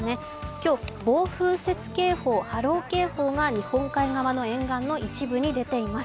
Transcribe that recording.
今日、暴風雪警報、波浪警報が日本海側の沿岸の一部に出ています。